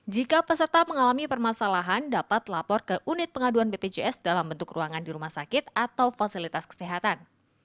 jika peserta mengalami permasalahan dapat lapor ke unit pengaduan bpjs dalam bentuk ruangan di rumah sakit atau fasilitas kesehatan